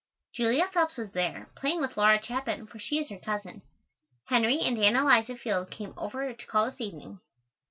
Julia Phelps was there, playing with Laura Chapin, for she is her cousin. Henry and Ann Eliza Field came over to call this evening.